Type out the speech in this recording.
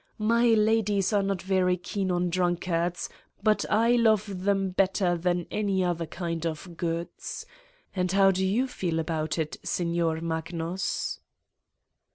... My ladies are not very keen on drunkards, but I love them better than any other 110 Satan's Diary kind of goods. And how do you feel about it, Signer Magnus?"